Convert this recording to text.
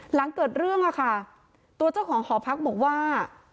หลังเกิดเรื่องอะค่ะตัวเจ้าของหอพักบอกว่า